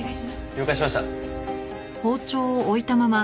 了解しました。